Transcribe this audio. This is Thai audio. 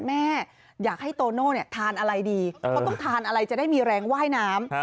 แม่อยากให้โตโน่ทานอะไรดีเขาต้องทานอะไรจะได้มีแรงว่ายน้ำ